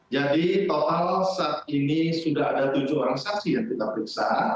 jadi total saat ini sudah ada tujuh orang saksi yang kita periksa